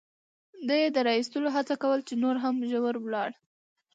ده یې د را اېستلو هڅه کول، چې نور هم ژور ولاړ.